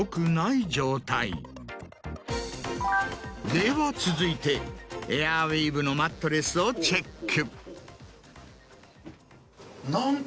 では続いてエアウィーヴのマットレスをチェック。